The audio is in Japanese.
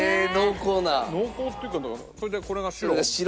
それでこれが白？